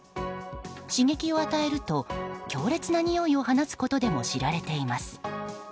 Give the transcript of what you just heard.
刺激を与えると強烈なにおいを放つことでも知られています。